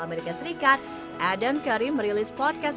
amerika serikat adam kerry merilis podcast